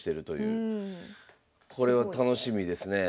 これは楽しみですねえ。